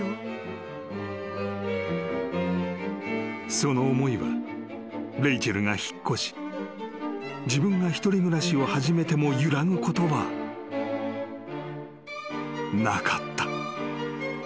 ［その思いはレイチェルが引っ越し自分が一人暮らしを始めても揺らぐことはなかった］